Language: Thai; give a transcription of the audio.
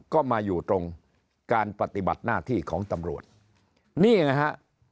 ก็มาอยู่ตรงการปฏิบัติหน้าที่ของตำรวจนี่นะฮะ